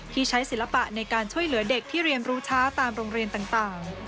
ที่ใช้ศิลปะในการช่วยเหลือเด็กที่เรียนรู้ช้าตามโรงเรียนต่าง